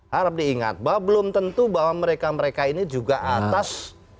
harap diingat bahwa belum tentu bahwa mereka mereka ini juga atas